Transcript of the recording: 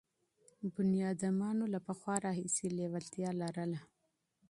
انسانانو له پخوا راهیسې لېوالتیا لرله.